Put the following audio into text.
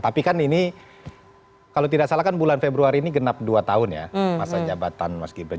tapi kan ini kalau tidak salah kan bulan februari ini genap dua tahun ya masa jabatan mas gibran